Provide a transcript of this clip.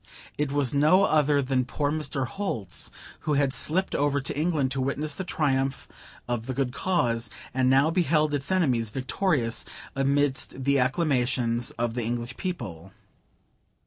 It was no other than poor Mr. Holt's, who had slipped over to England to witness the triumph of the good cause; and now beheld its enemies victorious, amidst the acclamations of the English people.